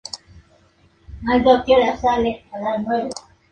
bebimos